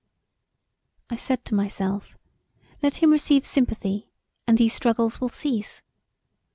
I said to myself, let him receive sympathy and these struggles will cease.